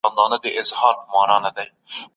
د دوی ګډ ژوند یوازې کورنۍ پورې محدود نه دی.